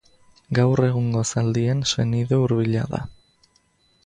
Gaur egungo zaldien senide hurbila da.